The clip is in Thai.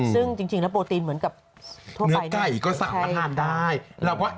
ซึ่งจริงแล้วโปรตีนเหมือนกับ